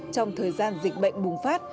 trong thời gian dịch bệnh bùng phát